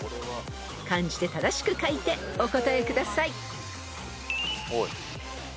［漢字で正しく書いてお答えください］